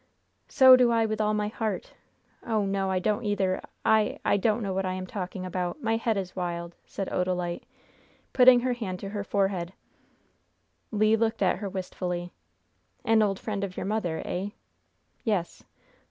"So do I with all my heart! oh, no, I don't either! I I don't know what I am talking about! My head is wild!" said Odalite, putting her hand to her forehead. Le looked at her wistfully. "An old friend of your mother, eh?" "Yes."